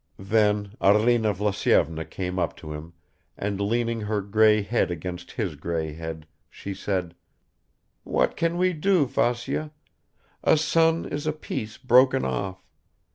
Then Arina Vlasyevna came up to him and leaning her grey head against his grey head, she said: "What can we do, Vasya? A son is a piece broken off.